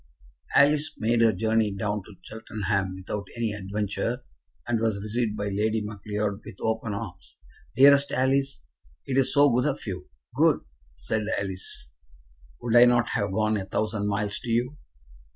Alice made her journey down to Cheltenham without any adventure, and was received by Lady Macleod with open arms. "Dearest Alice, it is so good of you." "Good!" said Alice, "would I not have gone a thousand miles to you?"